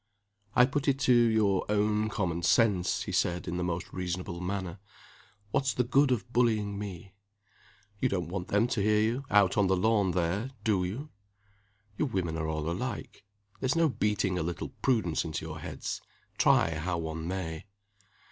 "I put it to your own common sense," he said, in the most reasonable manner, "what's the good of bullying me? You don't want them to hear you, out on the lawn there do you? You women are all alike. There's no beating a little prudence into your heads, try how one may."